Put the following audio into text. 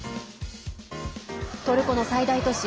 トルコの最大都市